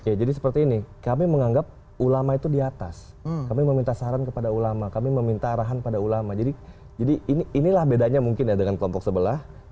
oke jadi seperti ini kami menganggap ulama itu di atas kami meminta saran kepada ulama kami meminta arahan pada ulama jadi inilah bedanya mungkin ya dengan kelompok sebelah